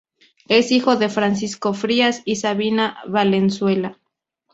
Es hijo de Francisco Frías y Sabina Valenzuela.